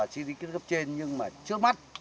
chỉ lấy cái lớp trên nhưng mà trước mắt